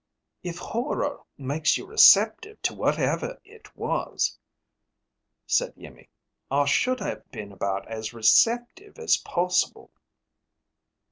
"If horror makes you receptive to what ever it was," said Iimmi, "I should have been about as receptive as possible."